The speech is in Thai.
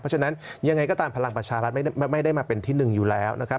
เพราะฉะนั้นยังไงก็ตามพลังประชารัฐไม่ได้มาเป็นที่หนึ่งอยู่แล้วนะครับ